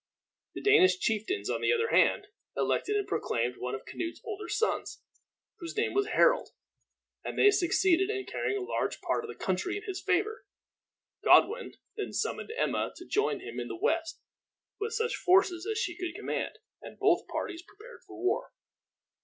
The Danish chieftains, on the other hand, elected and proclaimed one of Canute's older sons, whose name was Harold; and they succeeded in carrying a large part of the country in his favor. Godwin then summoned Emma to join him in the west with such forces as she could command, and both parties prepared for war.